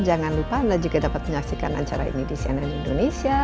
jangan lupa anda juga dapat menyaksikan acara ini di cnn indonesia